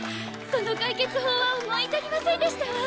その解決法は思い浮かびませんでしたわ。